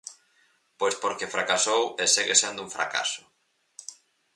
Pois porque fracasou e segue sendo un fracaso.